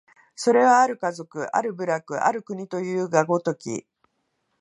それは或る家族、或る部落、或る国というが如き、